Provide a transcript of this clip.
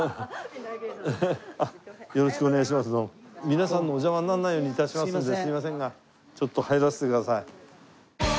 皆さんのお邪魔にならないように致しますんですみませんがちょっと入らせてください。